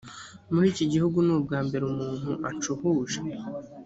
muri iki gihugu ni ubwa mbere umuntu anshuhuje.